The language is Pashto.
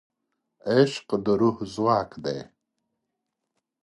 عشق د روح ځواک دی.